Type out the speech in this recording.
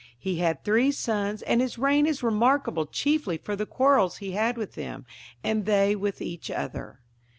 He had three sons, and his reign is remarkable chiefly for the quarrels he had with them, and they with each other.